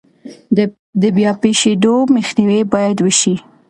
د بیا پیښیدو مخنیوی باید وشي.